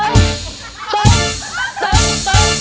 มีอีก